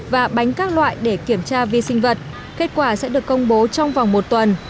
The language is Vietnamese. và bánh các loại để kiểm tra vi sinh vật kết quả sẽ được công bố trong vòng một tuần